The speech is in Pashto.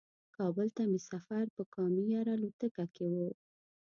کابل ته مې سفر په کام ایر الوتکه کې و.